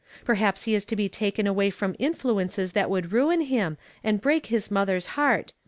Perhaps he is to be taken away from influences that would ruin him, and break his mother's heart.